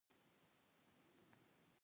د درونټې جهیل ماهیان لري؟